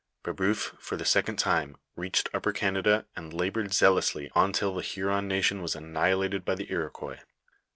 Brebeuf, for the second time, reached Upper Canada, and labored zealously on till the Hu ron nation was annihilated by the Iroquois.